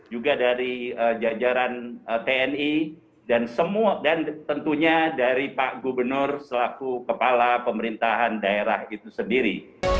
juga dari jajaran tni dan tentunya dari pak gubernur selaku kepala pemerintahan daerah itu sendiri